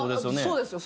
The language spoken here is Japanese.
そうですよ。